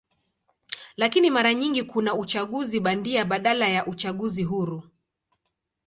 Lakini mara nyingi kuna uchaguzi bandia badala ya uchaguzi huru.